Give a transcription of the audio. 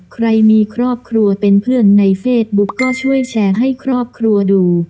ใครมีครอบครัวเป็นเพื่อนในเฟซบุ๊กก็ช่วยแชร์ให้ครอบครัวดู